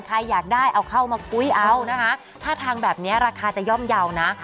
ใครอยากได้เอาเข้ามาคุยเอานะคะท่าทางแบบนี้ราคาจะย่อมเยาว์นะ